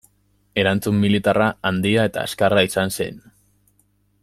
Erantzun militarra handia eta azkarra izan zen.